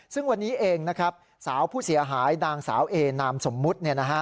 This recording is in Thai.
ซึ่งวันนี้เองนะครับสาวผู้เสียหายนางสาวเอนามสมมุติ